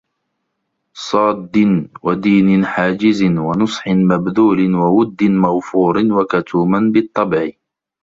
صَادٍّ ، وَدِينٍ حَاجِزٍ ، وَنُصْحٍ مَبْذُولٍ ، وَوُدٍّ مَوْفُورٍ ، وَكَتُومًا بِالطَّبْعِ